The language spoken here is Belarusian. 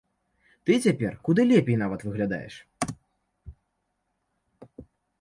Ты цяпер куды лепей нават выглядаеш.